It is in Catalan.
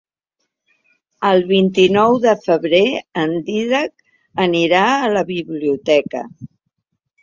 El vint-i-nou de febrer en Dídac anirà a la biblioteca.